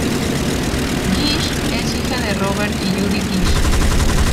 Gish es hija de Robert y Judy Gish.